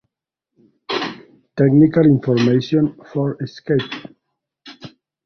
Technical Información Ford Escape